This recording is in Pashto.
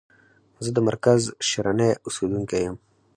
زه د مرکز شرنی اوسیدونکی یم.